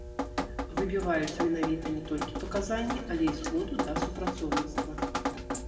Выбіваюць менавіта не толькі паказанні, але і згоду да супрацоўніцтва.